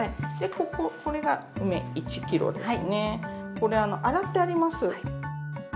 これ洗ってあります。